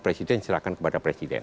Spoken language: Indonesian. presiden silahkan kepada presiden